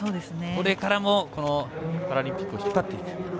これからも、パラリンピックを引っ張っていく。